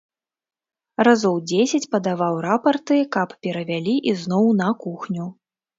Разоў дзесяць падаваў рапарты, каб перавялі ізноў на кухню.